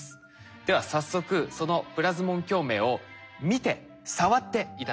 では早速そのプラズモン共鳴を見て触って頂きます。